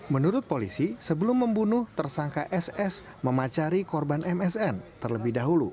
menurut polisi sebelum membunuh tersangka ss memacari korban msn terlebih dahulu